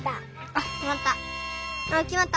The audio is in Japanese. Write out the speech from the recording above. あっきまった！